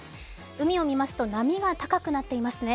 海を見ますと、波が高くなっていますね。